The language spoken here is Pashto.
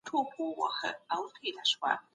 علمي څیړنه د حقایقو موندلو ته ولاړ سي.